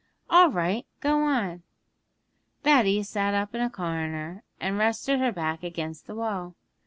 'All right, go on!' Betty sat up in a corner, and rested her back against the wall.